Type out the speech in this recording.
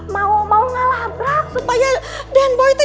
mau ngelabrak supaya dan boy tidak jadi yang sama dengan adriana